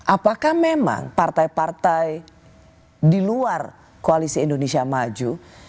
apakah memang partai partai di luar koalisi indonesia maju